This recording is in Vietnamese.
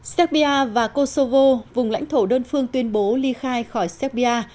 serbia và kosogo vùng lãnh thổ đơn phương tuyên bố ly khai khỏi serbia